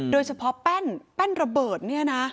โดยเฉพาะแป้นแป้นระเบิดนี่นะ